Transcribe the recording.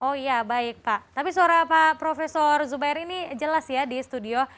oh iya baik pak tapi suara prof zubairi ini jelas ya di studio